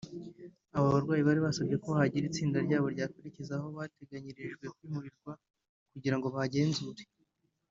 Aba barwanyi bari basabye ko hagira itsinda ryabo ryakwerekeza aho bateganyirijwe kwimurirwa kugira ngo bahagenzure